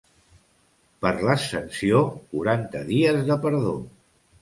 Per l'Ascensió, quaranta dies de perdó.